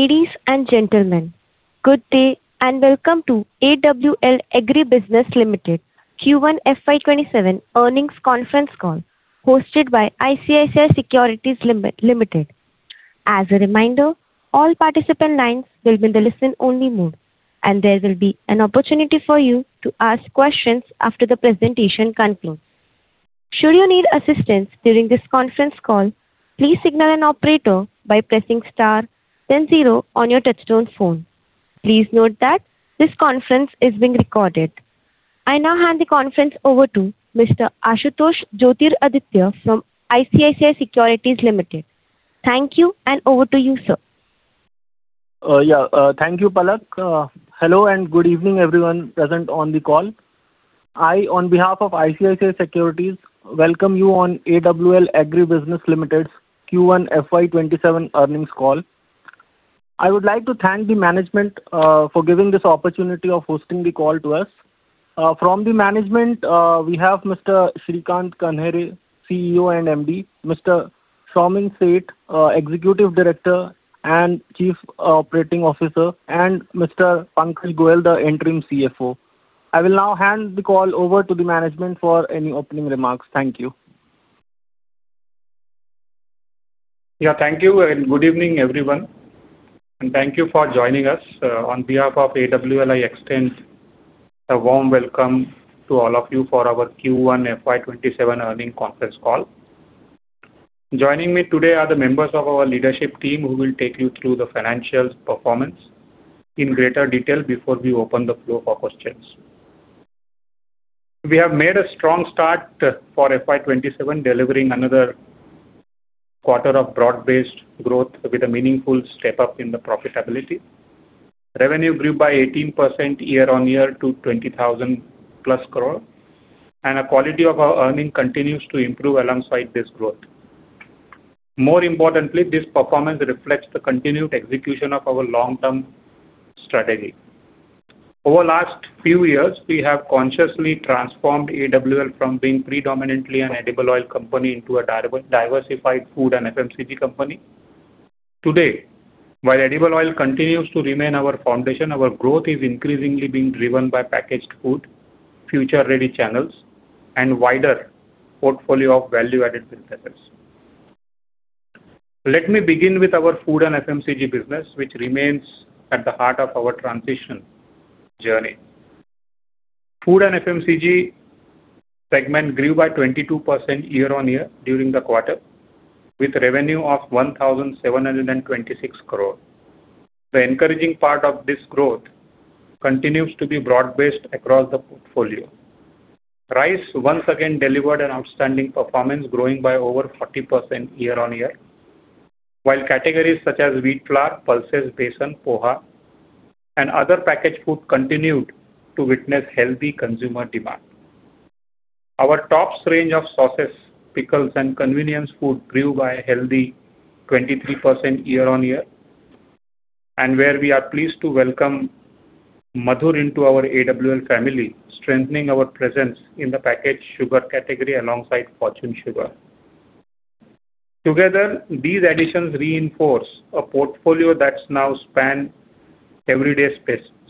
Ladies and gentlemen, good day and welcome to AWL Agri Business Limited Q1 FY 2027 earnings conference call hosted by ICICI Securities Limited. As a reminder, all participant lines will be in the listen only mode and there will be an opportunity for you to ask questions after the presentation concludes. Should you need assistance during this conference call, please signal an operator by pressing star then zero on your touchtone phone. Please note that this conference is being recorded. I now hand the conference over to Mr. Ashutosh Joytiraditya from ICICI Securities Limited. Thank you and over to you, sir. Yeah. Thank you, Palak. Hello and good evening everyone present on the call. I, on behalf of ICICI Securities, welcome you on AWL Agri Business Limited's Q1 FY 2027 earnings call. I would like to thank the management for giving this opportunity of hosting the call to us. From the management, we have Mr. Shrikant Kanhere, CEO and MD; Mr. Saumin Sheth, Executive Director and Chief Operating Officer; and Mr. Pankaj Goyal, the interim CFO. I will now hand the call over to the management for any opening remarks. Thank you. Yeah. Thank you and good evening, everyone. Thank you for joining us. On behalf of AWL, I extend a warm welcome to all of you for our Q1 FY 2027 earning conference call. Joining me today are the members of our leadership team who will take you through the financial performance in greater detail before we open the floor for questions. We have made a strong start for FY 2027, delivering another quarter of broad-based growth with a meaningful step up in the profitability. Revenue grew by 18% year-on-year to 20,000+ crore and the quality of our earning continues to improve alongside this growth. More importantly, this performance reflects the continued execution of our long-term strategy. Over last few years, we have consciously transformed AWL from being predominantly an edible oil company into a diversified food and FMCG company. Today, while edible oil continues to remain our foundation, our growth is increasingly being driven by packaged food, future-ready channels and wider portfolio of value-added businesses. Let me begin with our food and FMCG business, which remains at the heart of our transition journey. Food and FMCG segment grew by 22% year-on-year during the quarter with revenue of 1,726 crore. The encouraging part of this growth continues to be broad-based across the portfolio. Rice once again delivered an outstanding performance, growing by over 40% year-on-year. While categories such as wheat flour, pulses, besan, poha and other packaged food continued to witness healthy consumer demand. Our Tops range of sauces, pickles and convenience food grew by a healthy 23% year-on-year and where we are pleased to welcome Madhur into our AWL family, strengthening our presence in the packaged sugar category alongside Fortune Sugar. Together, these additions reinforce a portfolio that now span everyday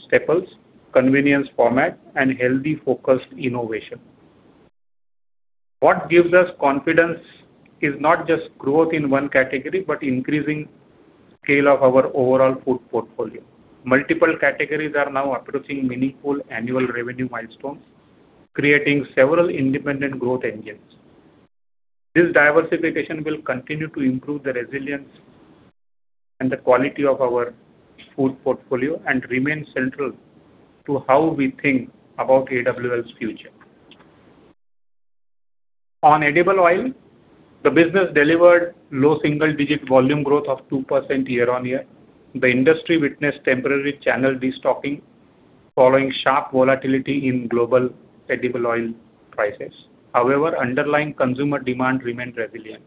staples, convenience format and healthy focused innovation. What gives us confidence is not just growth in one category, but increasing scale of our overall food portfolio. Multiple categories are now approaching meaningful annual revenue milestones, creating several independent growth engines. This diversification will continue to improve the resilience and the quality of our food portfolio and remain central to how we think about AWL's future. On edible oil, the business delivered low single-digit volume growth of 2% year-on-year. The industry witnessed temporary channel de-stocking following sharp volatility in global edible oil prices. However, underlying consumer demand remained resilient.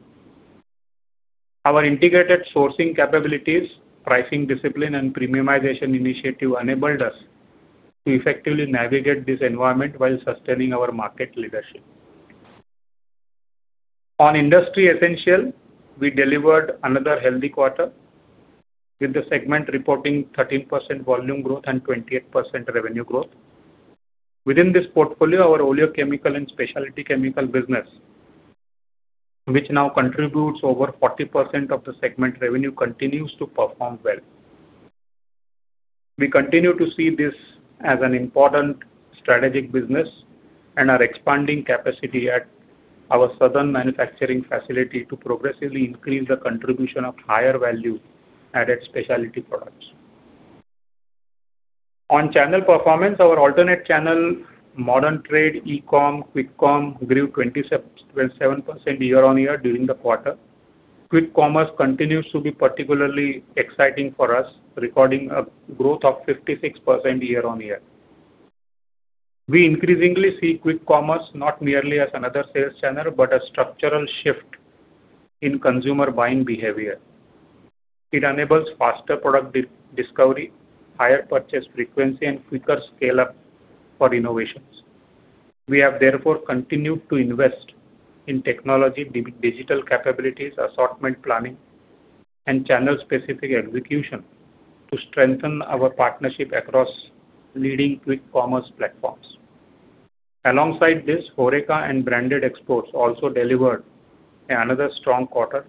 Our integrated sourcing capabilities, pricing discipline and premiumization initiative enabled us to effectively navigate this environment while sustaining our market leadership. On industry essential, we delivered another healthy quarter with the segment reporting 13% volume growth and 28% revenue growth. Within this portfolio, our oleochemical and specialty chemical business, which now contributes over 40% of the segment revenue, continues to perform well. We continue to see this as an important strategic business and are expanding capacity at our southern manufacturing facility to progressively increase the contribution of higher value-added specialty products. On channel performance, our alternate channel, modern trade, e-com, quick commerce grew 27% year-on-year during the quarter. Quick commerce continues to be particularly exciting for us, recording a growth of 56% year-on-year. We increasingly see quick commerce not merely as another sales channel, but a structural shift in consumer buying behavior. It enables faster product discovery, higher purchase frequency and quicker scale-up for innovations We have therefore continued to invest in technology, digital capabilities, assortment planning, and channel-specific execution to strengthen our partnership across leading quick commerce platforms. Alongside this, HoReCa and branded exports also delivered another strong quarter,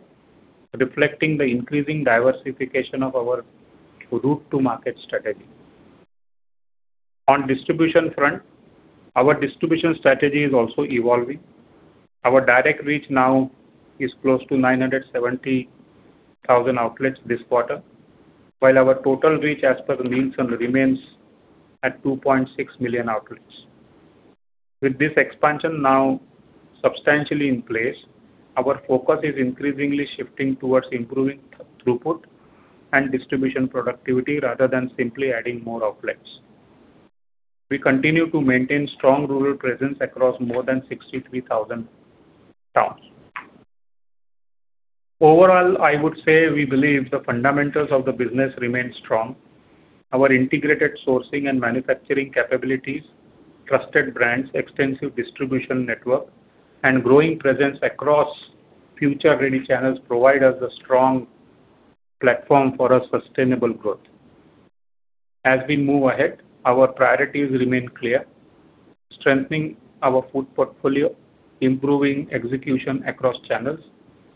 reflecting the increasing diversification of our route to market strategy. On distribution front, our distribution strategy is also evolving. Our direct reach now is close to 970,000 outlets this quarter, while our total reach as per Nielsen remains at 2.6 million outlets. With this expansion now substantially in place, our focus is increasingly shifting towards improving throughput and distribution productivity rather than simply adding more outlets. We continue to maintain strong rural presence across more than 63,000 towns. Overall, I would say we believe the fundamentals of the business remain strong. Our integrated sourcing and manufacturing capabilities, trusted brands, extensive distribution network, and growing presence across future-ready channels provide us a strong platform for a sustainable growth. As we move ahead, our priorities remain clear: strengthening our food portfolio, improving execution across channels,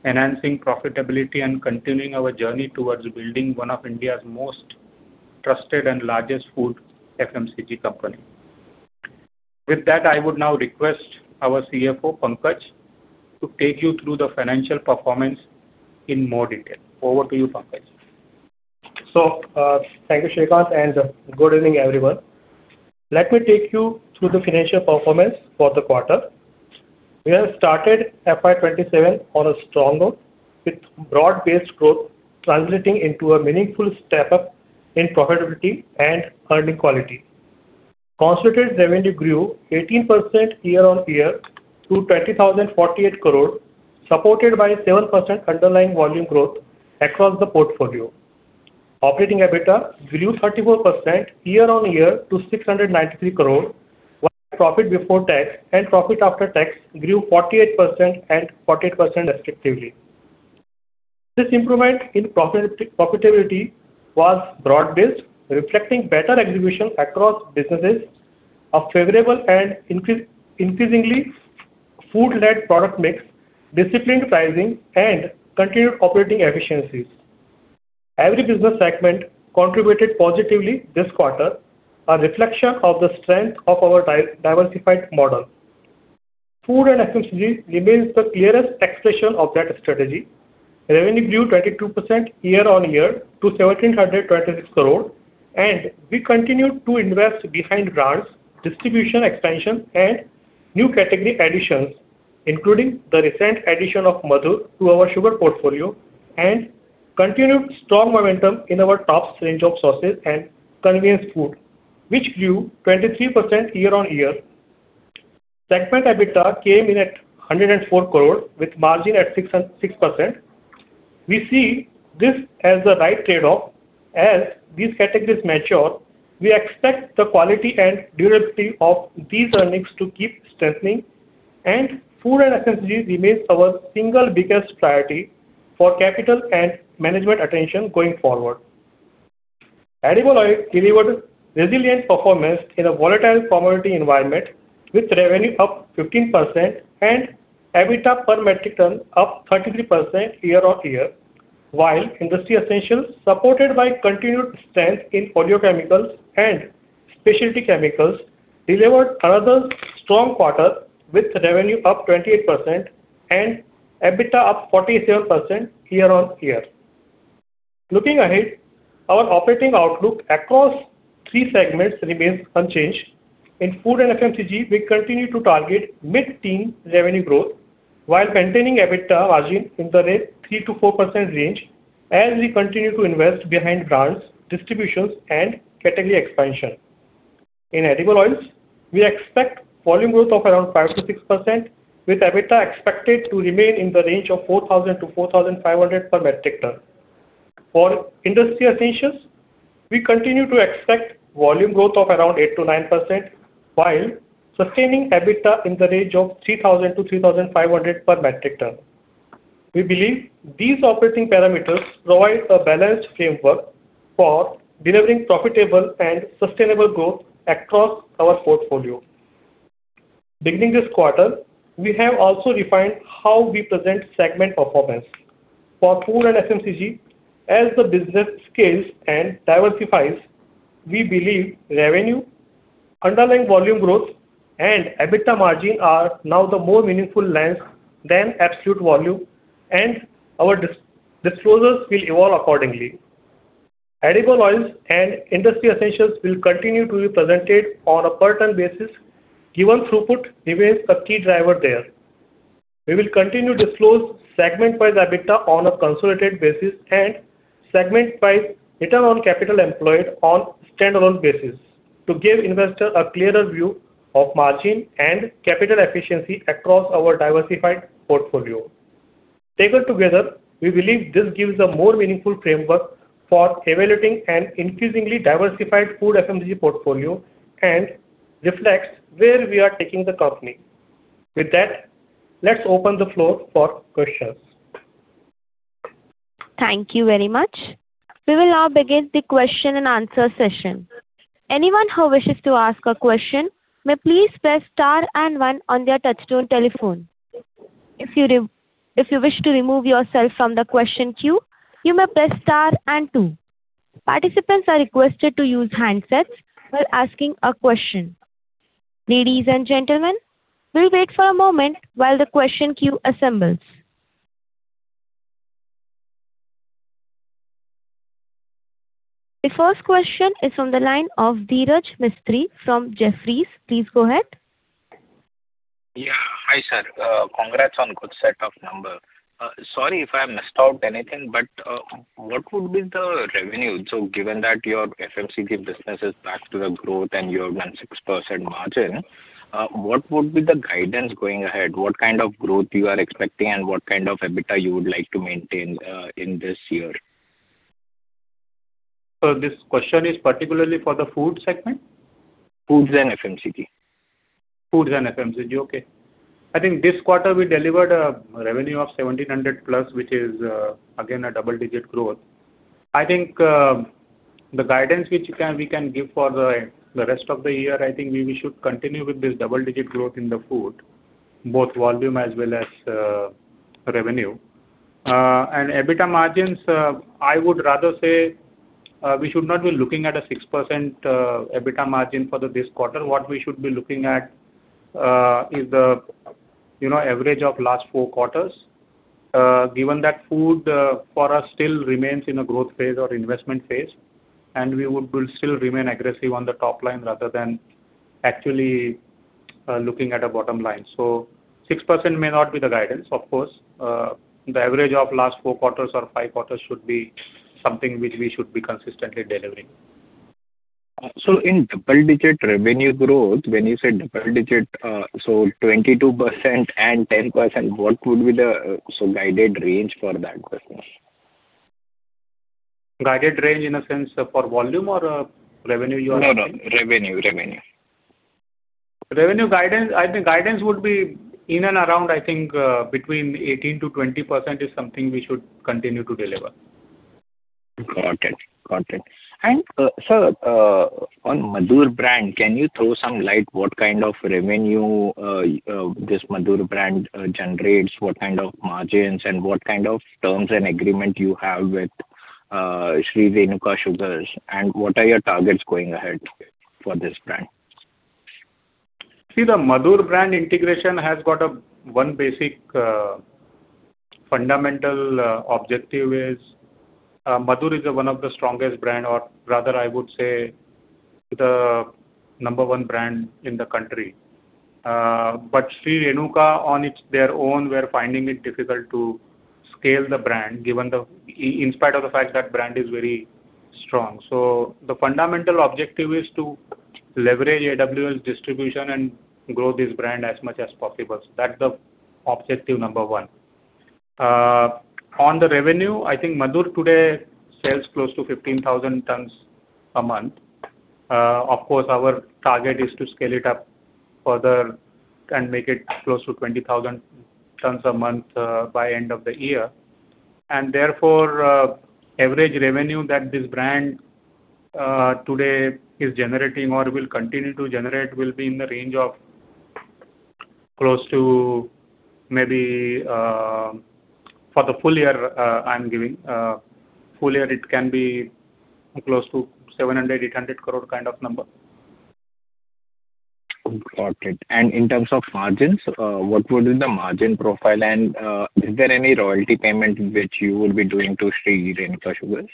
enhancing profitability, and continuing our journey towards building one of India's most trusted and largest food FMCG company. With that, I would now request our CFO, Pankaj, to take you through the financial performance in more detail. Over to you, Pankaj. Thank you, Shrikant, and good evening, everyone. Let me take you through the financial performance for the quarter. We have started FY 2027 on a strong note, with broad-based growth translating into a meaningful step up in profitability and earning quality. Consolidated revenue grew 18% year-on-year to 20,048 crore, supported by 7% underlying volume growth across the portfolio. Operating EBITDA grew 34% year-on-year to 693 crore, while profit before tax and profit after tax grew 48% and 40% respectively. This improvement in profitability was broad-based, reflecting better execution across businesses, a favorable and increasingly food-led product mix, disciplined pricing, and continued operating efficiencies. Every business segment contributed positively this quarter, a reflection of the strength of our diversified model. Food and FMCG remains the clearest expression of that strategy. Revenue grew 22% year-on-year to 1,726 crore. We continued to invest behind brands, distribution expansion, and new category additions, including the recent addition of Madhur to our sugar portfolio and continued strong momentum in our Tops range of sauces and convenience food, which grew 23% year-on-year. Segment EBITDA came in at 104 crore with margin at 6%. We see this as the right trade-off. As these categories mature, we expect the quality and durability of these earnings to keep strengthening. Food and FMCG remains our single biggest priority for capital and management attention going forward. Edible Oil delivered resilient performance in a volatile commodity environment with revenue up 15% and EBITDA per metric ton up 33% year-on-year. Industry Essentials, supported by continued strength in oleochemicals and specialty chemicals, delivered another strong quarter with revenue up 28% and EBITDA up 47% year-on-year. Looking ahead, our operating outlook across three segments remains unchanged. In Food and FMCG, we continue to target mid-teen revenue growth while maintaining EBITDA margin in the 3%-4% range as we continue to invest behind brands, distributions, and category expansion. In Edible Oils, we expect volume growth of around 5%-6%, with EBITDA expected to remain in the range of 4,000-4,500 per metric ton. For Industry Essentials, we continue to expect volume growth of around 8%-9% while sustaining EBITDA in the range of 3,000-3,500 per metric ton. We believe these operating parameters provide a balanced framework for delivering profitable and sustainable growth across our portfolio. Beginning this quarter, we have also refined how we present segment performance. For Food and FMCG, as the business scales and diversifies, we believe revenue, underlying volume growth, and EBITDA margin are now the more meaningful lens than absolute volume. Our disclosures will evolve accordingly. Edible Oils and Industry Essentials will continue to be presented on a per ton basis given throughput remains a key driver there. We will continue to disclose segment by EBITDA on a consolidated basis and segment by return on capital employed on standalone basis to give investor a clearer view of margin and capital efficiency across our diversified portfolio. Taken together, we believe this gives a more meaningful framework for evaluating an increasingly diversified food FMCG portfolio and reflects where we are taking the company. With that, let's open the floor for questions. Thank you very much. We will now begin the question-and-answer session. Anyone who wishes to ask a question may please press star and one on their touch-tone telephone. If you wish to remove yourself from the question queue, you may press star and two. Participants are requested to use handsets while asking a question. Ladies and gentlemen, we'll wait for a moment while the question queue assembles. The first question is from the line of Dhiraj Mistry from Jefferies. Please go ahead. Yeah. Hi, sir. Congrats on good set of number. Sorry if I missed out anything, but what would be the revenue? Given that your FMCG business is back to the growth and you have done 6% margin, what would be the guidance going ahead? What kind of growth you are expecting and what kind of EBITDA you would like to maintain in this year? This question is particularly for the food segment? Foods and FMCG. Foods and FMCG. Okay. I think this quarter we delivered a revenue of 1,700+, which is again a double-digit growth. I think the guidance which we can give for the rest of the year, I think we should continue with this double-digit growth in the food, both volume as well as revenue. EBITDA margins, I would rather say, we should not be looking at a 6% EBITDA margin for this quarter. What we should be looking at is the average of last four quarters. Given that food for us still remains in a growth phase or investment phase, and we will still remain aggressive on the top line rather than actually looking at a bottom line. 6% may not be the guidance, of course. The average of last four quarters or five quarters should be something which we should be consistently delivering. In double-digit revenue growth, when you say double digit, 22% and 10%, what would be the guided range for that business? Guided range in a sense for volume or revenue you are asking? No. Revenue. Revenue guidance, I think guidance would be in and around, I think between 18%-20% is something we should continue to deliver. Got it. Sir, on Madhur, can you throw some light what kind of revenue this Madhur generates, what kind of margins and what kind of terms and agreement you have with Shree Renuka Sugars, and what are your targets going ahead for this brand? See, the Madhur integration has got one basic fundamental objective is Madhur is one of the strongest brand, or rather I would say the number one brand in the country. Shree Renuka on their own were finding it difficult to scale the brand in spite of the fact that brand is very strong. The fundamental objective is to leverage AWL's distribution and grow this brand as much as possible. That's the objective number one. On the revenue, I think Madhur today sells close to 15,000 tons a month. Of course, our target is to scale it up further and make it close to 20,000 tons a month, by end of the year. Therefore, average revenue that this brand today is generating or will continue to generate will be in the range of close to maybe. For the full year it can be close to 700 crore-800 crore kind of number. Got it. In terms of margins, what would be the margin profile and is there any royalty payment which you will be doing to Shree Renuka Sugars?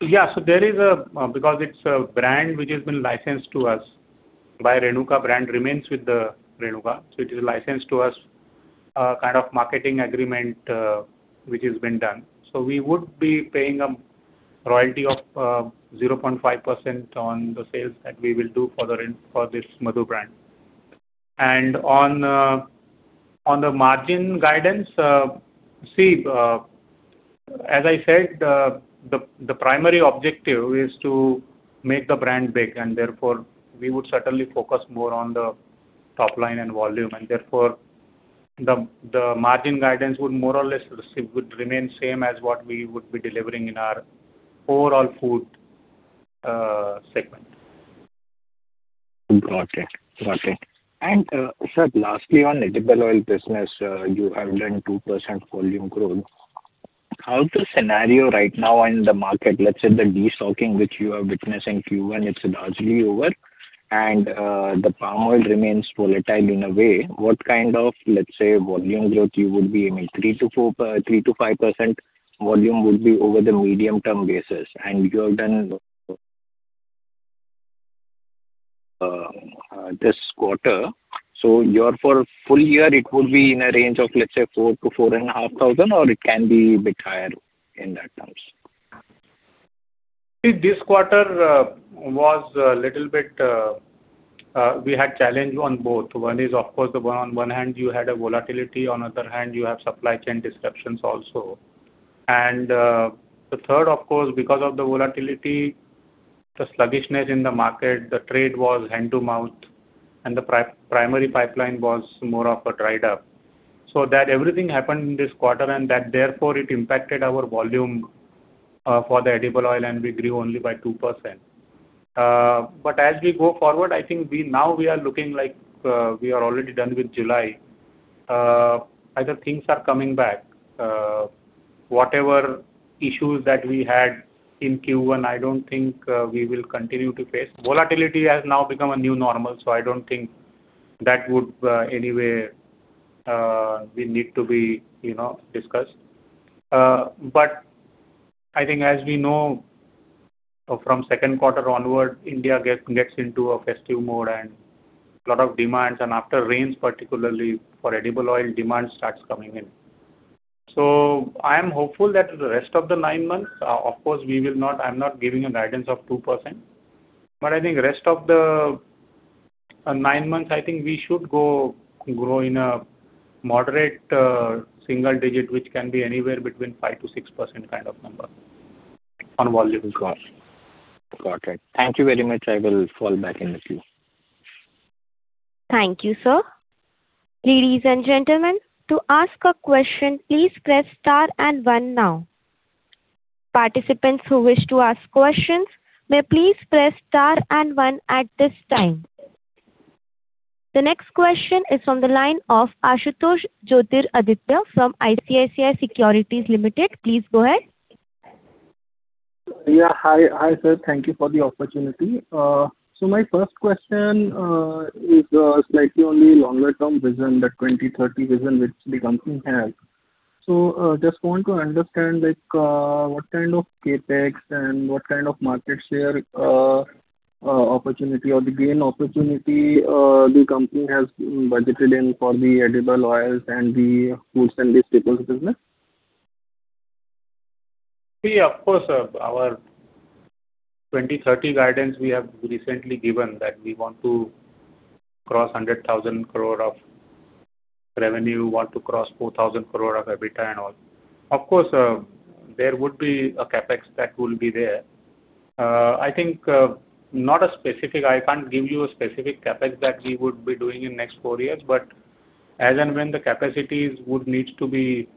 Yeah. Because it's a brand which hSolidaridad has been licensed to us by Renuka, brand remains with Renuka. It is licensed to us, kind of marketing agreement which has been done. We would be paying a royalty of 0.5% on the sales that we will do for this Madhur brand. On the margin guidance, see, as I said, the primary objective is to make the brand big, therefore, we would certainly focus more on the top line and volume, therefore, the margin guidance would more or less remain same as what we would be delivering in our overall food segment. Got it. Sir, lastly on edible oil business, you have done 2% volume growth. How's the scenario right now in the market, let's say the de-stocking which you are witnessing, Q1, it's largely over, the palm oil remains volatile in a way. What kind of, let's say, volume growth you would be aiming, 3%-5% volume would be over the medium term basis. You have done this quarter, your full year it would be in a range of, let's say, 4,000-4,500 or it can be bit higher in that? This quarter we had challenge on both. One is, of course, on one hand you had volatility, on other hand you have supply chain disruptions also. The third, of course, because of the volatility, the sluggishness in the market, the trade was hand-to-mouth, and the primary pipeline was more of a dried-up. That everything happened in this quarter, and that therefore it impacted our volume for the edible oil, and we grew only by 2%. As we go forward, I think now we are looking like we are already done with July. Either things are coming back, whatever issues that we had in Q1, I don't think we will continue to face. Volatility has now become a new normal, I don't think that would anywhere need to be discussed. I think as we know from second quarter onward, India gets into a festive mode and lot of demands, and after rains, particularly for edible oil, demand starts coming in. I am hopeful that the rest of the nine months, of course, I'm not giving a guidance of 2%, I think rest of the nine months, I think we should grow in a moderate single digit, which can be anywhere between 5%-6% kind of number on volume growth. Got it. Thank you very much. I will fall back in the queue. Thank you, sir. Ladies and gentlemen, to ask a question, please press star and one now. Participants who wish to ask questions may please press star and one at this time. The next question is from the line of Ashutosh Joytiraditya from ICICI Securities Limited. Please go ahead. Yeah. Hi, sir. Thank you for the opportunity. My first question is slightly only longer term vision, the 2030 vision which the company has. Just want to understand, what kind of CapEx and what kind of market share opportunity or the gain opportunity the company has budgeted in for the edible oils and the foods and staples business? Of course, our 2030 guidance we have recently given that we want to cross 100,000 crore of revenue, want to cross 4,000 crore of EBITDA and all. Of course, there would be a CapEx that will be there. I think I can't give you a specific CapEx that we would be doing in next four years, but as and when the capacities would need to be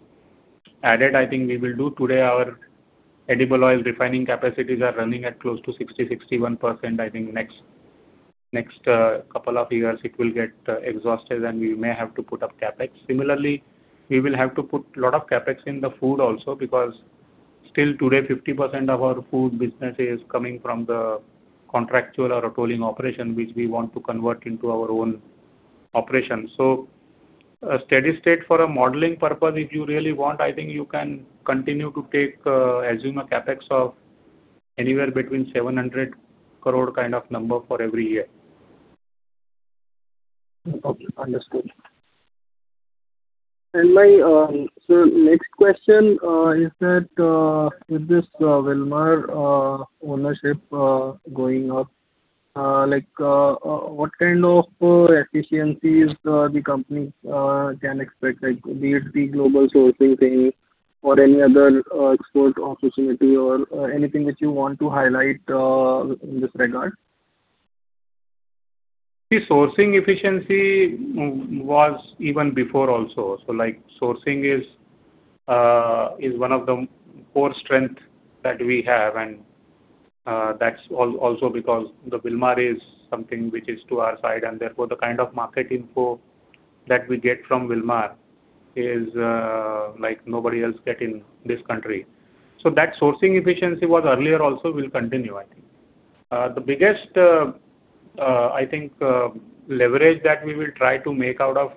added, I think we will do. Today, our edible oil refining capacities are running at close to 60%-61%. I think next couple of years it will get exhausted, and we may have to put up CapEx. Similarly, we will have to put lot of CapEx in the food also because still today, 50% of our food business is coming from the contractual or tolling operation, which we want to convert into our own operation. A steady state for a modeling purpose, if you really want, I think you can continue to assume a CapEx of anywhere between 700 crore kind of number for every year. Okay. Understood. My next question is that with this Wilmar ownership going up, what kind of efficiencies the company can expect, be it the global sourcing thing or any other export opportunity or anything that you want to highlight in this regard? Sourcing efficiency was even before also. Sourcing is one of the core strength that we have, and that's also because the Wilmar is something which is to our side, and therefore the kind of market info that we get from Wilmar is like nobody else get in this country. That sourcing efficiency was earlier also will continue, I think. The biggest leverage that we will try to make out of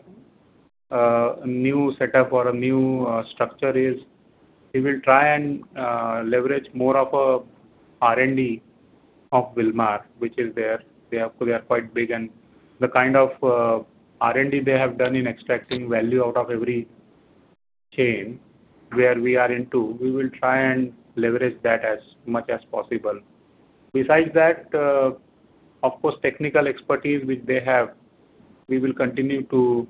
new setup or a new structure is we will try and leverage more of a R&D of Wilmar, which is there. They are quite big, and the kind of R&D they have done in extracting value out of every chain where we are into, we will try and leverage that as much as possible. Besides that, of course, technical expertise which they have, we will continue to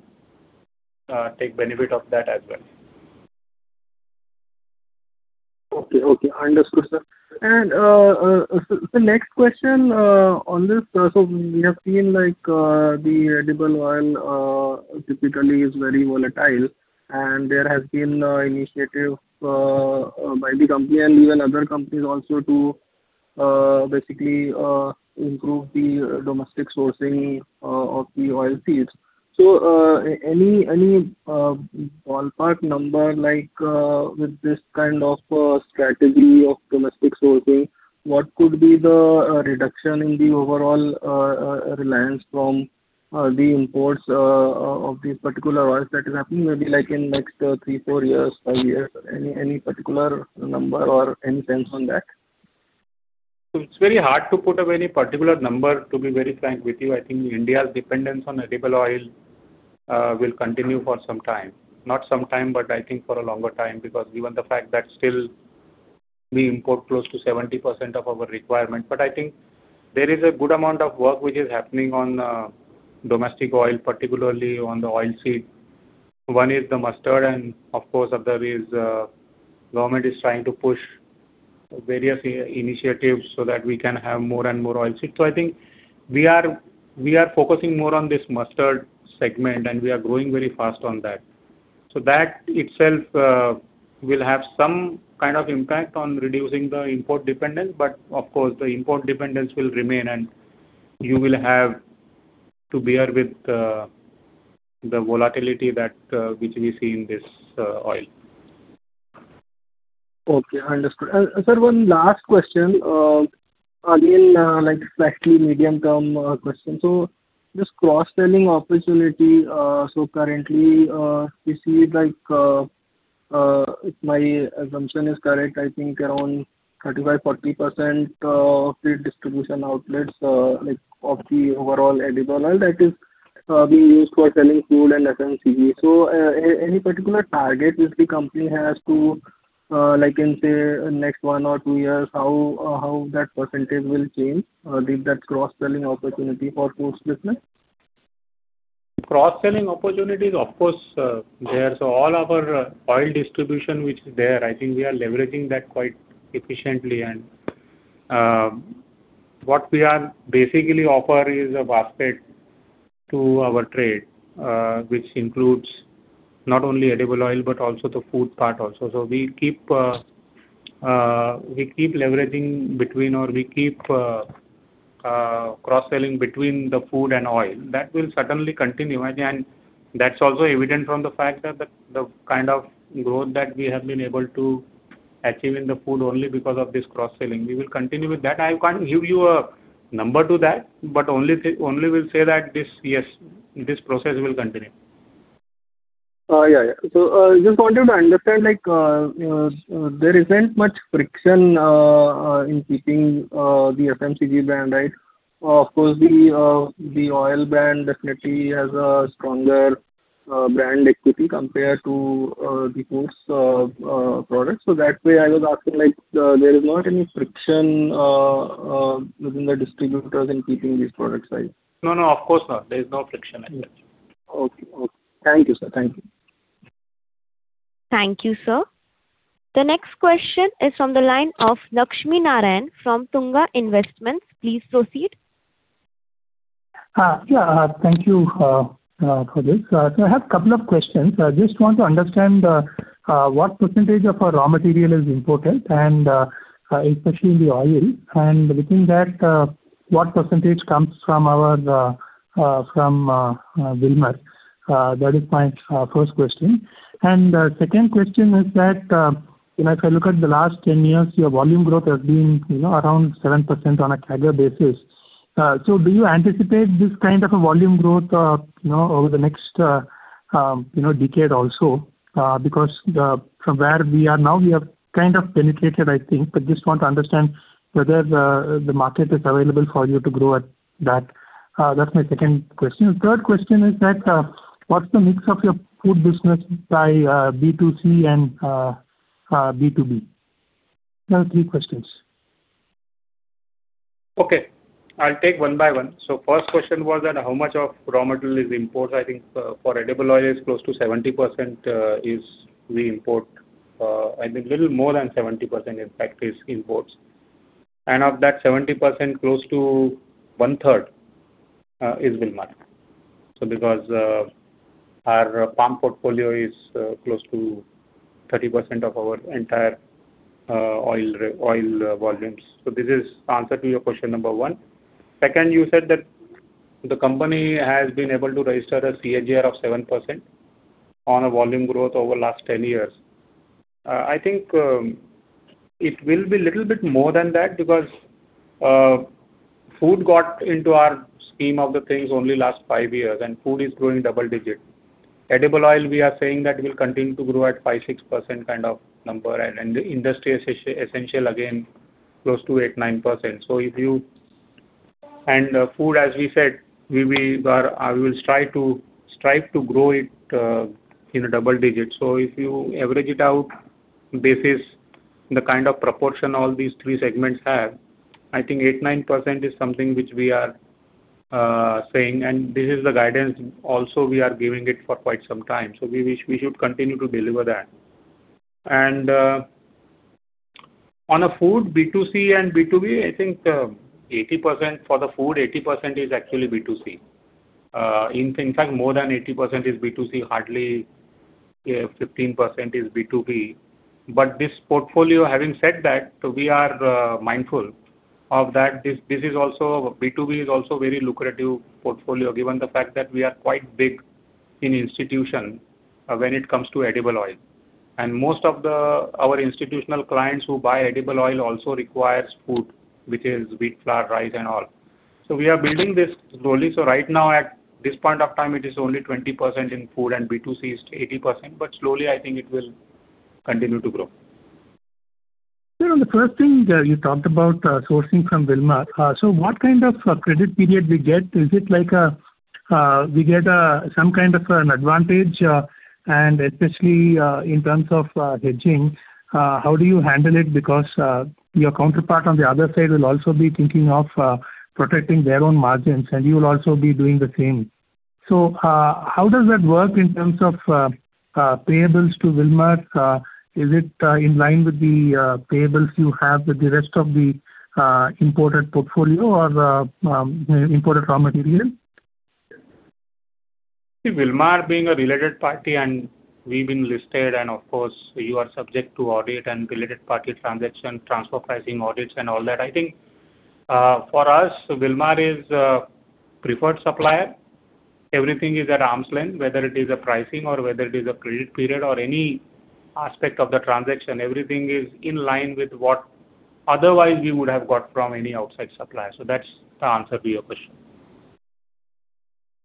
take benefit of that as well. Okay. Understood, sir. Sir, next question on this. We have seen the edible oil typically is very volatile, and there has been initiative by the company and even other companies also to basically improve the domestic sourcing of the oil seeds. Any ballpark number with this kind of strategy of domestic sourcing, what could be the reduction in the overall reliance from the imports of the particular oils that is happening maybe like in next three, four years, five years? Any particular number or any sense on that? It's very hard to put up any particular number, to be very frank with you. I think India's dependence on edible oil will continue for some time. Not some time, but I think for a longer time, because given the fact that still we import close to 70% of our requirement. I think there is a good amount of work which is happening on domestic oil, particularly on the oil seed. One is the mustard, and of course, other is government is trying to push various initiatives so that we can have more and more oil seeds. I think we are focusing more on this mustard segment, and we are growing very fast on that. That itself will have some kind of impact on reducing the import dependence. Of course, the import dependence will remain, and you will have to bear with the volatility which we see in this oil. Okay, understood. Sir, one last question. Again, slightly medium-term question. This cross-selling opportunity, currently, we see, if my assumption is correct, I think around 35%-40% of the distribution outlets of the overall edible oil that is being used for selling food and FMCG. Any particular target which the company has to, say, next one or two years, how that percentage will change with that cross-selling opportunity for food business? Cross-selling opportunities, of course, they are. All our oil distribution which is there, I think we are leveraging that quite efficiently. What we are basically offer is a basket to our trade, which includes not only edible oil, but also the food part also. We keep leveraging between, or we keep cross-selling between the food and oil. That will certainly continue. That's also evident from the fact that the kind of growth that we have been able to achieve in the food only because of this cross-selling. We will continue with that. I can't give you a number to that, but only will say that, yes, this process will continue. Yeah. Just wanted to understand, there isn't much friction in keeping the FMCG brand, right? Of course, the oil brand definitely has a stronger brand equity compared to the foods products. That way I was asking, there is not any friction within the distributors in keeping these products, right? No, of course not. There is no friction as such. Okay. Thank you, sir. Thank you, sir. The next question is from the line of Lakshmi Narayan from Tunga Investments. Please proceed. Thank you for this. I have a couple of questions. I just want to understand what percentage of our raw material is imported, especially in the oil. Within that, what percentage comes from Wilmar? That is my first question. Second question is that, if I look at the last 10 years, your volume growth has been around 7% on a CAGR basis. Do you anticipate this kind of a volume growth over the next decade also? Because from where we are now, we have kind of penetrated, I think. Just want to understand whether the market is available for you to grow at that. That's my second question. Third question is that, what's the mix of your food business by B2C and B2B? Three questions. Okay. I'll take one by one. First question was that how much of raw material is imported. I think for edible oil, it's close to 70% we import. I think little more than 70%, in fact, is imports. Of that 70%, close to one third is Wilmar. Because our palm portfolio is close to 30% of our entire oil volumes. This is answer to your question number one. Second, you said that the company has been able to register a CAGR of 7% on a volume growth over last 10 years. I think it will be little bit more than that because food got into our scheme of the things only last five years, and food is growing double digit. Edible oil, we are saying that will continue to grow at 5%, 6% kind of number, and the industry essential again, close to 8%, 9%. Food, as we said, we will strive to grow it in a double-digit. If you average it out basis the kind of proportion all these three segments have, I think 8%-9% is something which we are saying, and this is the guidance also we are giving it for quite some time. We should continue to deliver that. On a food B2C and B2B, I think for the food, 80% is actually B2C. In fact, more than 80% is B2C, hardly 15% is B2B. This portfolio, having said that, we are mindful of that B2B is also very lucrative portfolio, given the fact that we are quite big in institution when it comes to edible oil. Most of our institutional clients who buy edible oil also requires food, which is wheat, flour, rice and all. We are building this slowly. Right now at this point of time, it is only 20% in food and B2C is 80%, but slowly I think it will continue to grow. The first thing you talked about sourcing from Wilmar. What kind of credit period we get? Is it like we get some kind of an advantage, and especially in terms of hedging, how do you handle it? Your counterpart on the other side will also be thinking of protecting their own margins, and you will also be doing the same. How does that work in terms of payables to Wilmar? Is it in line with the payables you have with the rest of the imported portfolio or imported raw material? Wilmar being a related party, and we've been listed, and of course, you are subject to audit and related party transaction, transfer pricing audits and all that. I think for us, Wilmar is a preferred supplier. Everything is at arm's length, whether it is pricing or whether it is a credit period or any aspect of the transaction. Everything is in line with what otherwise we would have got from any outside supplier. That's the answer to your question.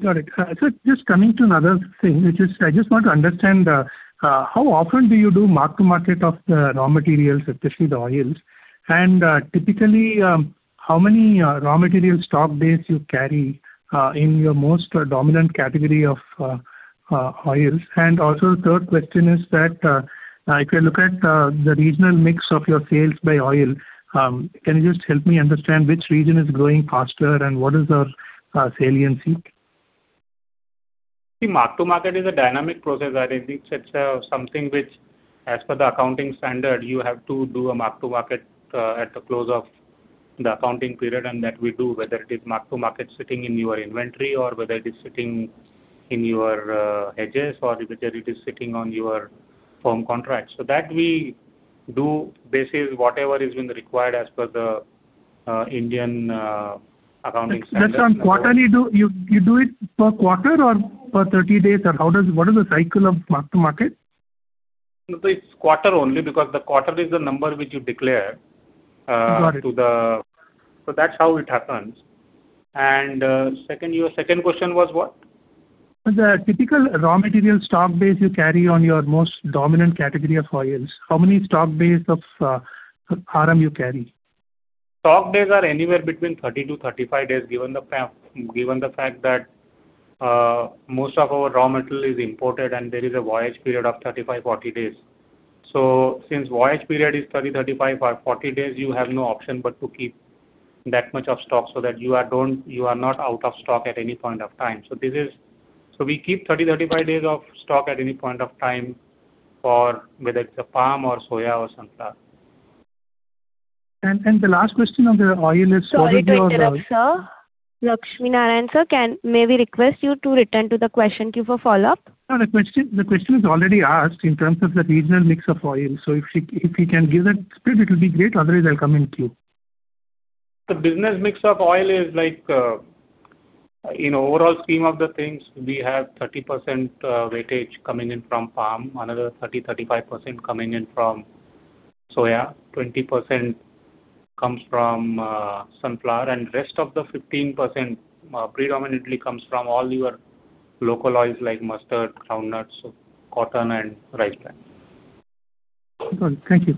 Got it. Sir, just coming to another thing, I just want to understand how often do you do mark-to-market of the raw materials, especially the oils? Typically, how many raw material stock base you carry in your most dominant category of oils. The third question is that if you look at the regional mix of your sales by oil, can you just help me understand which region is growing faster and what is the saliency? See, mark-to-market is a dynamic process. It's something which, as per the accounting standard, you have to do a mark-to-market at the close of the accounting period, that we do, whether it is mark-to-market sitting in your inventory or whether it is sitting in your hedges or whether it is sitting on your firm contract. That we do basis whatever is being required as per the Indian accounting standards. Just on quarter you do it per quarter or per 30 days, or what is the cycle of mark-to-market? No, it's quarter only because the quarter is the number which you declare. Got it. That's how it happens. Your second question was what? The typical raw material stock base you carry on your most dominant category of oils. How many stock base of RM you carry? Stock days are anywhere between 30 to 35 days, given the fact that most of our raw material is imported and there is a voyage period of 35, 40 days. Since voyage period is 30, 35 or 40 days, you have no option but to keep that much of stock so that you are not out of stock at any point of time. We keep 30 to 35 days of stock at any point of time for whether it's palm or soya or sunflower. The last question on the oil is. Sorry to interrupt, sir. Lakshmi Narayan, sir, may we request you to return to the question queue for follow-up? No, the question is already asked in terms of the regional mix of oil. If he can give that split, it will be great. Otherwise, I'll come in queue. The business mix of oil is, in overall scheme of the things, we have 30% weightage coming in from palm, another 30%-35% coming in from soya, 20% comes from sunflower, and rest of the 15% predominantly comes from all your local oils like mustard, groundnuts, cotton, and rice bran. Good. Thank you.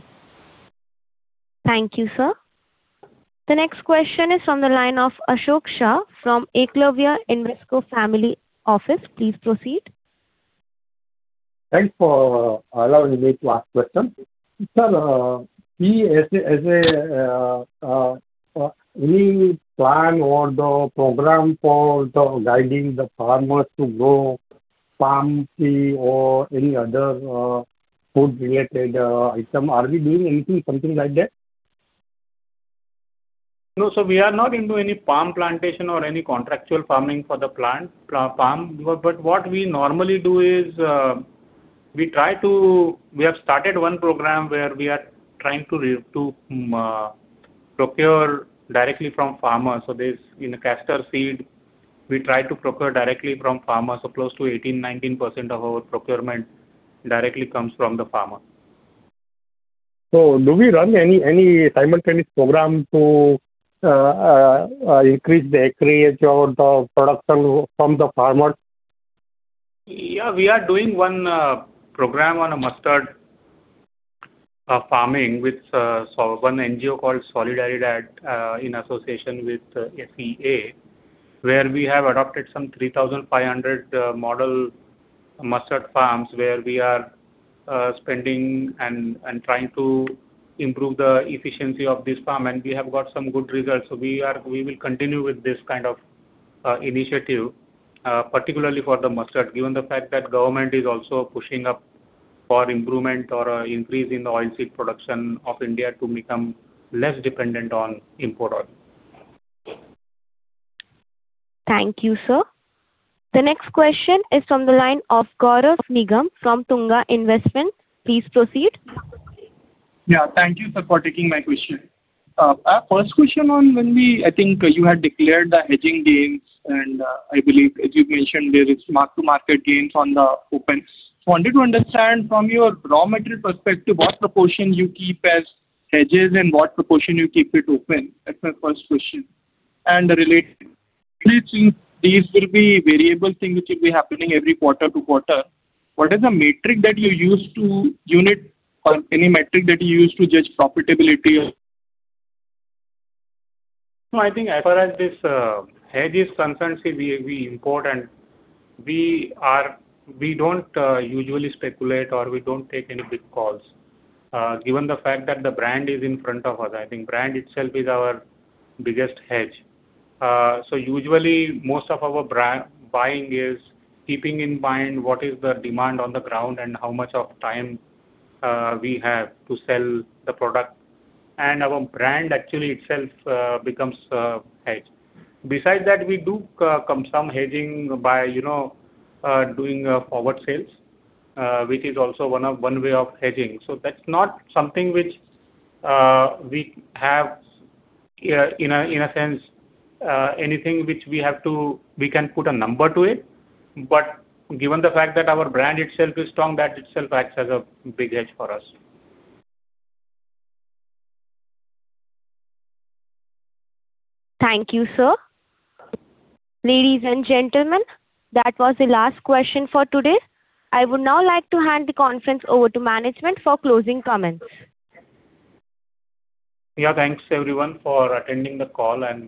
Thank you, sir. The next question is from the line of Ashok Shah from Eklavya Invesco Family Office. Please proceed. Thanks for allowing me to ask question. Sir, any plan or program for guiding the farmers to grow palm tree or any other food-related item? Are we doing anything, something like that? No, we are not into any palm plantation or any contractual farming for the palm. What we normally do is we have started one program where we are trying to procure directly from farmers. There's castor seed, we try to procure directly from farmers. Close to 18%, 19% of our procurement directly comes from the farmer. Do we run any simultaneous program to increase the acreage or the production from the farmers? We are doing one program on mustard farming with one NGO called Solidaridad in association with SEA, where we have adopted some 3,500 model mustard farms where we are spending and trying to improve the efficiency of this farm, and we have got some good results. We will continue with this kind of initiative, particularly for the mustard, given the fact that government is also pushing up for improvement or increase in the oil seed production of India to become less dependent on import oil. Thank you, sir. The next question is from the line of Gaurav Nigam from Tunga Investments. Please proceed. Thank you, sir, for taking my question. First question on when we, I think you had declared the hedging gains, and I believe, as you mentioned, there is mark-to-market gains on the opens. Wanted to understand from your raw material perspective, what proportion you keep as hedges and what proportion you keep it open. That's my first question. Related to these will be variable things which will be happening every quarter to quarter. What is the metric that you use to unit or any metric that you use to judge profitability of? I think as far as this hedge is concerned, we import and we don't usually speculate, or we don't take any big calls given the fact that the brand is in front of us. I think brand itself is our biggest hedge. Usually, most of our buying is keeping in mind what is the demand on the ground and how much of time we have to sell the product, and our brand actually itself becomes a hedge. Besides that, we do some hedging by doing forward sales, which is also one way of hedging. That's not something which we have, in a sense, anything which we can put a number to it. Given the fact that our brand itself is strong, that itself acts as a big hedge for us. Thank you, sir. Ladies and gentlemen, that was the last question for today. I would now like to hand the conference over to management for closing comments. Yeah. Thanks everyone for attending the call and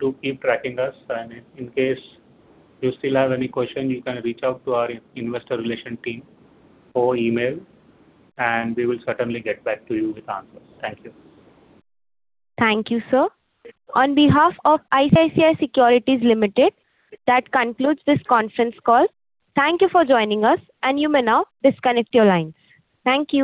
do keep tracking us, and in case you still have any question, you can reach out to our investor relation team or email, and we will certainly get back to you with answers. Thank you. Thank you, sir. On behalf of ICICI Securities Limited, that concludes this conference call. Thank you for joining us, and you may now disconnect your lines. Thank you.